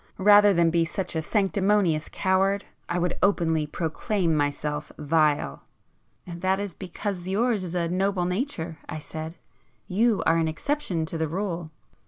Rather than be such a sanctimonious coward I would openly proclaim myself vile!" "That is because yours is a noble nature"—I said—"You are an exception to the rule."